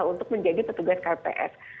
untuk menjadi petugas kpps